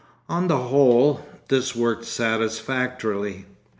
On the whole, this worked satisfactorily.